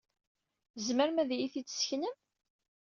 Tzemrem ad iyi-t-id-tesseknem?